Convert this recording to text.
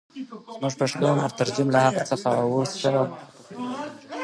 زموږ پښتو مترجم له هغه څخه اووه سوه مخه پښتو متن جوړ کړی.